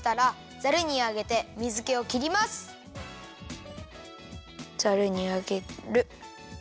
ざるにあげる。